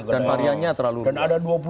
dan variannya terlalu banyak dan ada